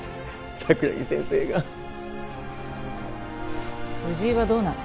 桜木先生が藤井はどうなの？